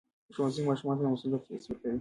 ښوونځی ماشومانو ته د مسؤلیت حس ورکوي.